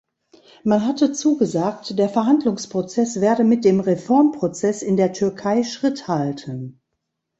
Man hatte zugesagt, der Verhandlungsprozess werde mit dem Reformprozess in der Türkei Schritt halten.